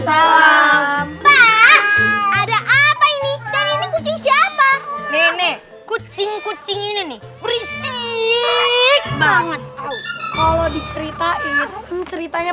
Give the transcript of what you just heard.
salam ada apa ini kucing siapa nenek kucing kucing ini berisik banget kalau diceritain ceritanya